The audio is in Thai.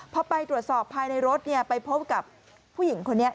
พอไปตรวจสอบภายในรถไปพบกับผู้หญิงคนนี้